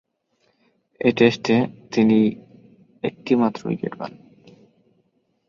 এ টেস্টে তিনি একটিমাত্র উইকেট পান।